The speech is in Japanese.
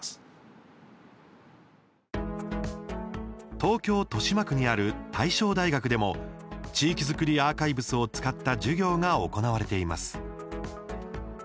東京・豊島区にある大正大学でも地域づくりアーカイブスを使った授業が行われています。